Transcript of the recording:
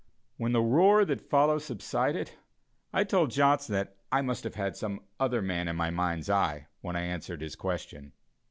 When the roar that followed subsided, I told Johnson I must have had some other man in my mind's eye, when I answered his question.